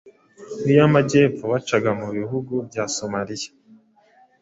n’iy’Amajyepfo, bagaca mu bihugu bya Somaliya,